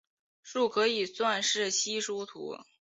树可以算是稀疏图。